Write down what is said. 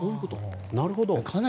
なるほど。